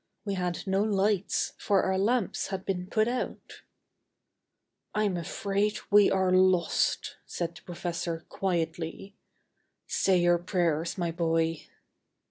We had no lights, for our lamps had been put out. "I'm afraid we are lost," said the professor quietly; "say your prayers, my boy."